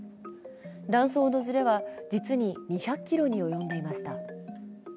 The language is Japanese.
断層のずれは実に２００ｋｍに及んでいました。